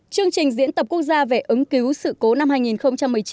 chương trình diễn tập quốc gia về ứng cứu sự cố năm hai nghìn một mươi chín